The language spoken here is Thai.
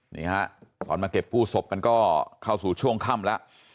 นี่ฮะตอนมาเก็บกู้ศพมันก็เข้าสู่ช่วงค่ำแล้ว